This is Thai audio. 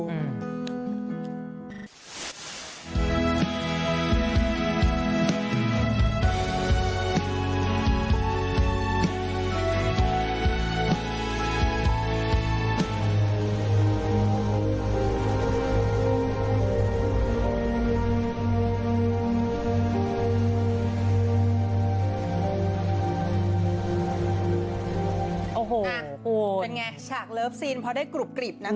โอ้โหเป็นไงฉากเลิฟซีนพอได้กรุบกริบนะคะ